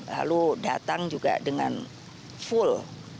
lalu datang juga dengan full